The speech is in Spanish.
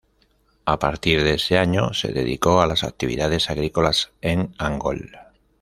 A partir de ese año se dedicó a las actividades agrícolas en Angol.